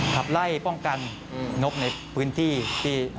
ขับไล่ป้องกันนกในพื้นที่ที่